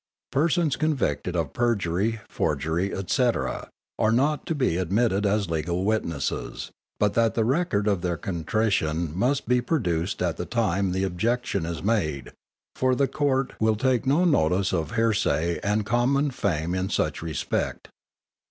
_ _Persons convicted of perjury, forgery, etc., are not to be admitted as legal witnesses, but that the record of their contrition must be produced at the time the objection is made, for the Court mil take no notice of hearsay and common fame in such respect.